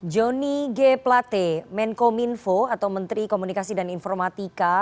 joni g plate menkominfo atau menteri komunikasi dan informatika